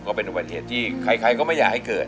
ก็เป็นอุบัติเหตุที่ใครก็ไม่อยากให้เกิด